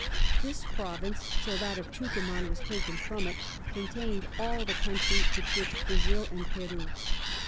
_] This Province, till that of Tucuman was taken from it, contain'd all the Country betwixt Brazile and Peru.